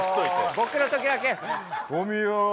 僕の時だけ「小宮」。